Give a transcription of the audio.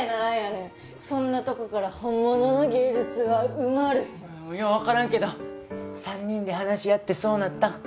そんなとこから本物の芸術は生まれへんよう分からんけど３人で話し合ってそうなったん？